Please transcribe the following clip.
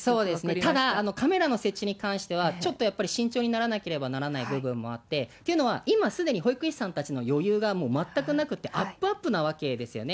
ただ、カメラの設置に関しては、ちょっとやっぱり慎重にならなければならない部分もあって、というのは、っていうのは、今すでに保育士さんたちの余裕がもう全くなくて、あっぷあっぷなわけですよね。